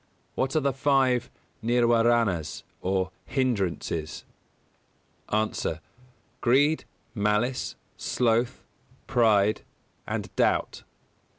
What are the five Nirwāranas or Hindrances? A. Greed, Malice, Sloth, Pride, and Doubt.